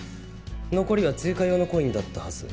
残りは追加用のコインだったはず。